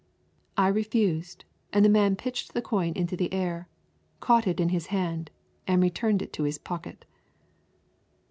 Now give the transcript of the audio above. I refused, and the man pitched the coin into the air, caught it in his hand and returned it to his pocket.